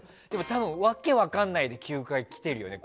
ただ訳分かんないで９回来てるよね。